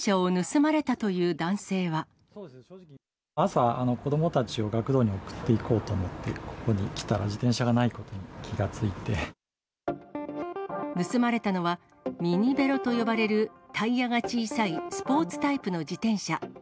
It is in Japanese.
朝、子どもたちを学童に送っていこうと思って、ここに来たら、自転車盗まれたのは、ミニベロと呼ばれるタイヤが小さい、スポーツタイプの自転車。